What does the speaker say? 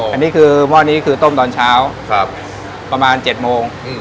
อันนี้คือหม้อนี้คือต้มตอนเช้าประมาณ๗โมง